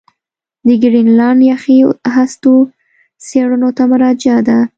د ګرینلنډ یخي هستو څېړنو ته مراجعه ده